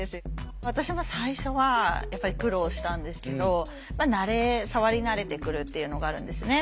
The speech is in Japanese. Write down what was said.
私も最初はやっぱり苦労したんですけど慣れ触り慣れてくるっていうのがあるんですね。